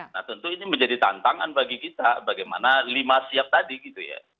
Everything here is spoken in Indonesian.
nah tentu ini menjadi tantangan bagi kita bagaimana lima siap tadi gitu ya